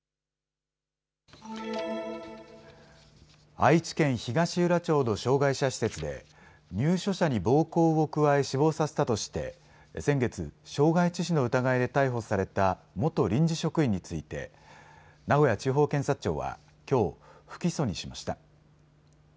愛知県東浦町の障害者施設で入所者に暴行を加え死亡させたとして先月、傷害致死の疑いで逮捕された元臨時職員について名古屋地方検察庁はきょう不起訴にしました。